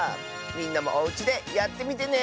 みんなもおうちでやってみてね。